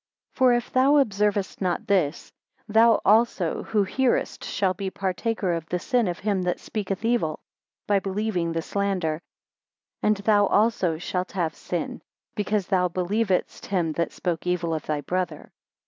3 For if thou observest not this, thou also who hearest shall be partaker of the sin of him that speaketh evil, by believing the slander, and thou also shalt have sin, because thou believedst him that spoke evil of thy brother.